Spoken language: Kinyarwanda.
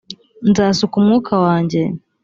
nzasuka umwuka wanjye